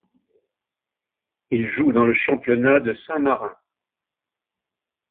Il joue dans le Championnat de Saint-Marin.